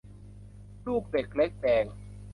ลูกเด็กเล็กแดง